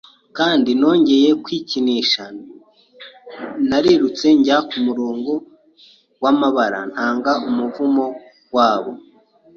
Kandi nongeye kwikinisha, narirutse njya kumurongo wamabara, ntanga umuvumo wabo